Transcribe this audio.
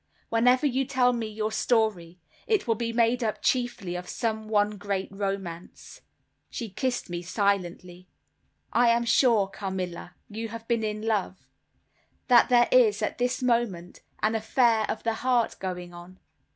"Whenever you tell me your story, it will be made up chiefly of some one great romance." She kissed me silently. "I am sure, Carmilla, you have been in love; that there is, at this moment, an affair of the heart going on."